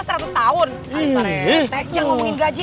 pak rete jangan ngomongin gaji